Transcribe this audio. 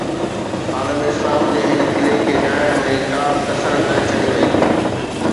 عالم اسلام جي هن قلعي کي ڊاهڻ ۾ ڪا به ڪسر نه ڇڏي وڃي